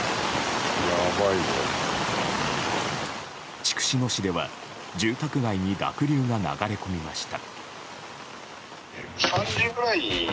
筑紫野市では住宅街に濁流が流れ込みました。